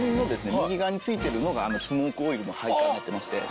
右側に付いてるのがスモークオイルの配管になってまして。